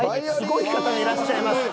すごい方がいらっしゃいます。